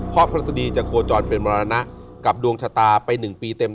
เพราะพฤษฎีจะโคจรเป็นมรณะกับดวงชะตาไป๑ปีเต็ม